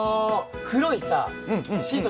黒いさシート